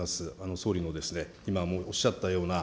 総理の今もおっしゃったような